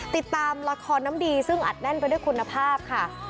ติดตามละครน้ำดีซึ่งอัดแน่นไปด้วยคุณภาพค่ะ